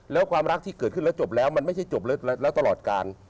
แล้วความรักที่เกิดขึ้นแล้วจบแล้วมันไม่ใช่จบแล้วตลอดการ